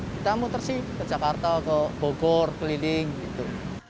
kita muter sih ke jakarta ke bogor keliling gitu